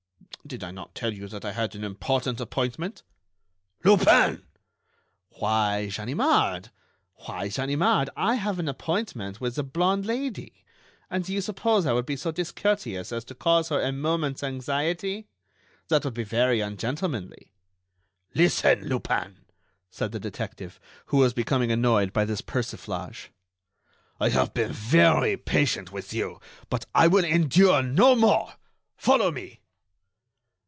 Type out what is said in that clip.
"Did I not tell you that I had an important appointment?" "Lupin!" "Why, Ganimard, I have an appointment with the blonde Lady, and do you suppose I would be so discourteous as to cause her a moment's anxiety? That would be very ungentlemanly." "Listen, Lupin," said the detective, who was becoming annoyed by this persiflage; "I have been very patient with you, but I will endure no more. Follow me."